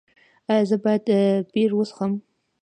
ایا زه باید بیر وڅښم؟